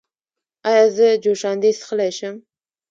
ایا زه جوشاندې څښلی شم؟